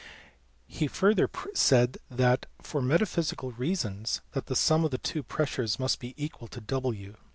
He further said that for metaphysical reasons the sum of the two pressures must be equal to W.